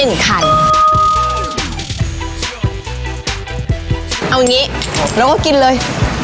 เอาอย่างนี้เราก็กินเลย